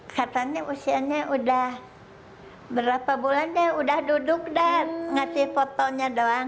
katanya usianya udah berapa bulannya udah duduk dah ngasih fotonya doang